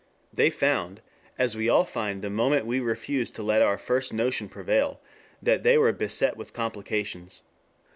They found, as we all find the moment we refuse to let our first notion prevail, that they were beset with complications.